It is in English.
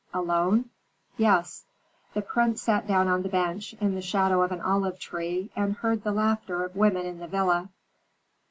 "Alone?" "Yes." The prince sat down on the bench, in the shadow of an olive tree, and heard the laughter of women in the villa.